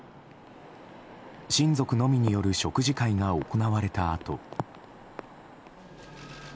親族のみによる食事会が行われたあと。